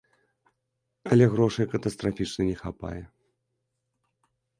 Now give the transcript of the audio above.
Але грошай катастрафічна не хапае.